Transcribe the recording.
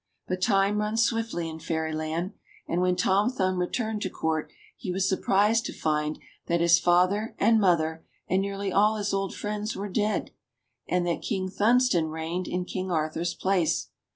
But time runs swiftly in Fairyland, and when Tom Thumb returned to Court he was surprised to find that his father and mother and nearly all his old friends were dead, and that King Thunstone reigned in King Arthur's place.